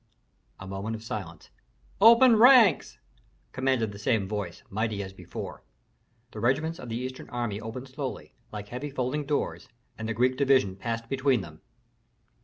A moment of silence. "Open ranks!" commanded the same voice, mighty as before. The regiments of the eastern army opened slowly, like heavy folding doors, and the Greek division passed between them.